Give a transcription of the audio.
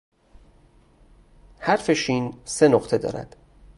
"حرف "ش" سه نقطه دارد."